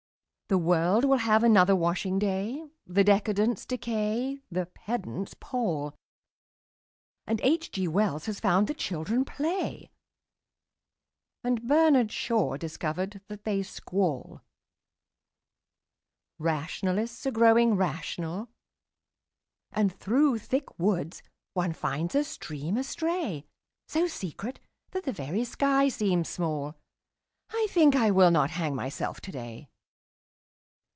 The world will have another washing day; The decadents decay; the pedants pall; And H.G. Wells has found that children play, And Bernard Shaw discovered that they squall; Rationalists are growing rational And through thick woods one finds a stream astray, So secret that the very sky seems small I think I will not hang myself today.